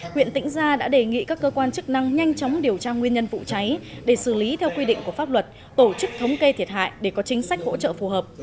huyện tĩnh gia đã đề nghị các cơ quan chức năng nhanh chóng điều tra nguyên nhân vụ cháy để xử lý theo quy định của pháp luật tổ chức thống kê thiệt hại để có chính sách hỗ trợ phù hợp